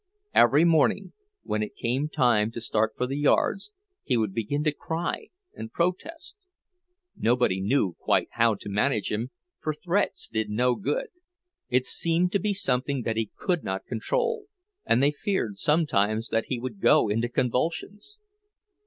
Every morning, when it came time to start for the yards, he would begin to cry and protest. Nobody knew quite how to manage him, for threats did no good—it seemed to be something that he could not control, and they feared sometimes that he would go into convulsions.